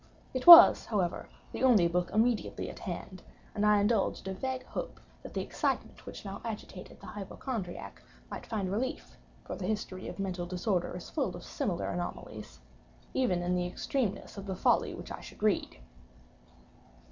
It was, however, the only book immediately at hand; and I indulged a vague hope that the excitement which now agitated the hypochondriac, might find relief (for the history of mental disorder is full of similar anomalies) even in the extremeness of the folly which I should read.